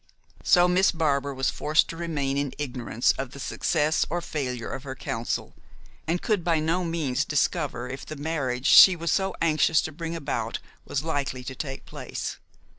So Miss Barbar was forced to remain in ignorance of the success or failure of her counsel, and could by no means discover if the marriage she was so anxious to bring about was likely to take place.